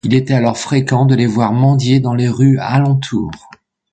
Il était alors fréquent de les voir mendier dans les rues alentour.